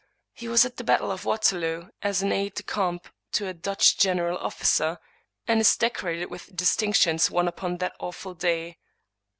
He was at the battle of Waterloo as an aide de camp to a Dutch general officer, and is decorated with distinctions won upon that awful day.